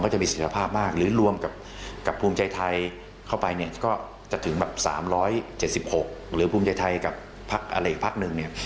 หรือภูมิใจไทยกับอะไรอีกพักนึงเนี่ย